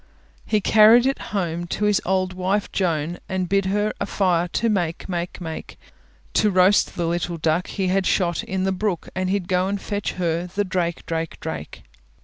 He carried it home To his old wife Joan, And bid her a fire for to make, make, make; To roast the little duck He had shot in the brook, And he'd go and fetch her the drake, drake, drake.